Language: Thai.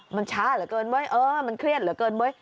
มันช้าเหลือเกินเว้ยเออมันเครียดเหลือเกินเว้ย